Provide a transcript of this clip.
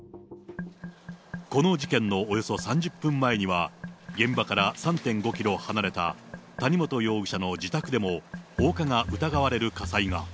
この事件のおよそ３０分前には、現場から３．５キロ離れた谷本容疑者の自宅でも、放火が疑われる火災が。